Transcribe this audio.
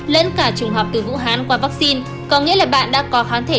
lẫn cả chủng học từ vũ hán qua vaccine